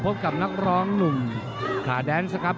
พบกับนักร้องหนุ่มขาแดนซ์ครับ